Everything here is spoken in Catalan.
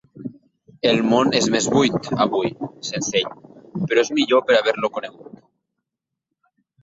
El món és més buit, avui, sense ell, però és millor per haver-lo conegut.